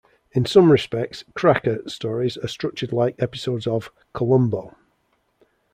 In some respects, "Cracker" stories are structured like episodes of "Columbo".